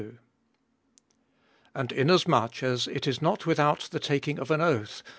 VII.— 20. And Inasmuch as it is not without the taking of an oath 21.